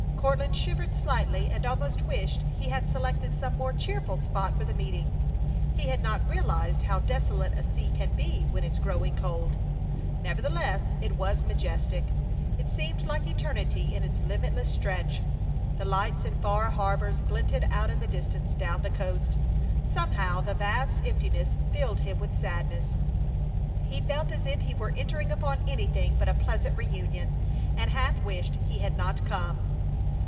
Courtland shivered slightly and almost wished he had selected some more cheerful spot for the meeting. He had not realized how desolate a sea can be when it is growing cold. Nevertheless, it was majestic. It seemed like eternity in its limitless stretch. The lights in far harbors glinted out in the distance down the coast. Somehow the vast emptiness filled him with sadness. He felt as if he were entering upon anything but a pleasant reunion, and half wished he had not come.